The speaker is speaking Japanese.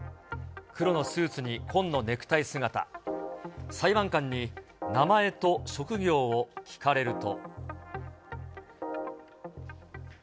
黒のスーツに紺のネクタイ姿、裁判官に名前と職業を聞かれると。